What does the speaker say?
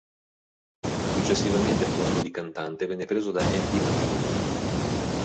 Successivamente il posto di cantante venne preso da Andy Makin.